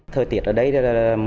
thời tiết ở đây là